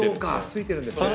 付いてるんですね。